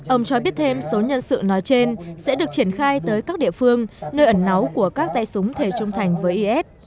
ông cho biết thêm số nhân sự nói trên sẽ được triển khai tới các địa phương nơi ẩn náu của các tay súng thể trung thành với is